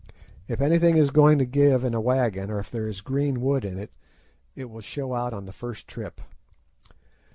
If anything is going to give in a wagon, or if there is green wood in it, it will show out on the first trip.